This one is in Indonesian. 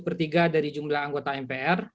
minimal satu tiga dari jumlah anggota mpr